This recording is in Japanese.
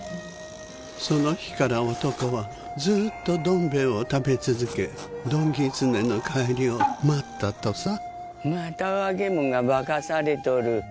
その日から男はずーっと「どん兵衛」を食べ続けどんぎつねの帰りを待ったとさまた若えもんが化かされとる。